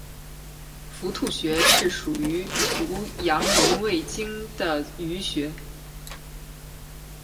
伏兔穴是属于足阳明胃经的腧穴。